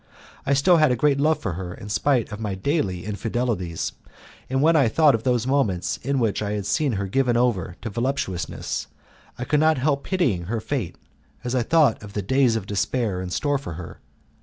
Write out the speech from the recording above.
I still had a great love for her in spite of my daily infidelities, and when I thought of those moments in which I had seen her given over to voluptuousness I could not help pitying her fate as I thought of the days of despair in store for her.